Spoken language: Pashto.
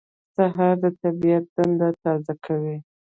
سهار د طبیعت دنده تازه کوي.